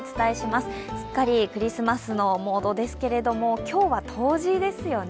すっかりクリスマスのモードですけれども、今日は冬至ですよね。